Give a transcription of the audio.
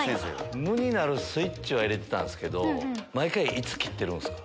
無になるスイッチは入れてたんすけど毎回いつ切ってるんすか？